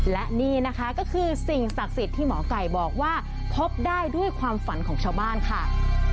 และนี่นะคะก็คือสิ่งศักดิ์สิทธิ์ที่หมอไก่บอกว่าพบได้ด้วยความฝันของชาวบ้านค่ะ